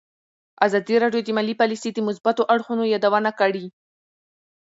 ازادي راډیو د مالي پالیسي د مثبتو اړخونو یادونه کړې.